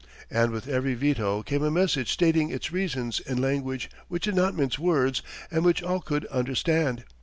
And with every veto came a message stating its reasons in language which did not mince words and which all could understand.